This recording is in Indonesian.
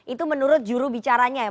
itu menurut juru bicaranya ya